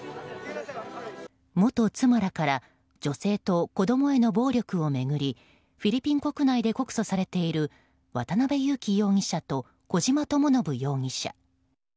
元妻らから女性と子供への暴力を巡りフィリピン国内で告訴されている渡辺優樹容疑者と小島智信容疑者。